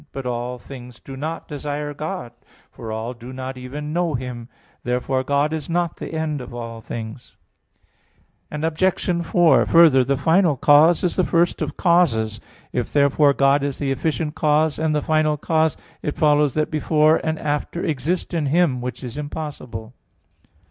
But all things do not desire God, for all do not even know Him. Therefore God is not the end of all things. Obj. 4: Further, the final cause is the first of causes. If, therefore, God is the efficient cause and the final cause, it follows that before and after exist in Him; which is impossible.